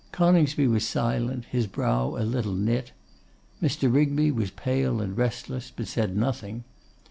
Coningsby was silent, his brow a little knit. Mr. Rigby was pale and restless, but said nothing.